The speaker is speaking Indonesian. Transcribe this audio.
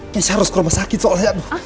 keisha harus ke rumah sakit soalnya aduh